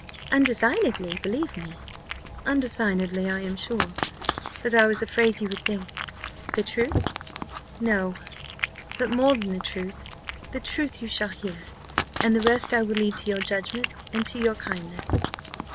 "Undesignedly, believe me." "Undesignedly, I am sure; but I was afraid you would think " "The truth." "No; but more than the truth. The truth you shall hear; and the rest I will leave to your judgment and to your kindness."